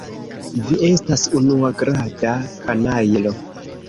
Vi estas unuagrada kanajlo.